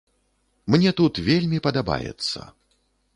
Мне тут вельмі падабаецца.